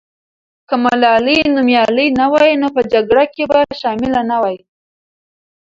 که ملالۍ نومیالۍ نه وای، نو په جګړه کې به شامله نه وای.